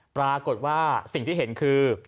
ปรากฏว่าสิ่งที่เห็นคือ